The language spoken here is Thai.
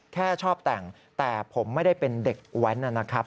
แค่ชอบแต่งแต่ผมไม่ได้เป็นเด็กแว้นนะครับ